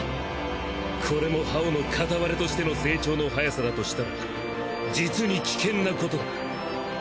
これも葉王の片割れとしての成長の早さだとしたら実に危険なことだ。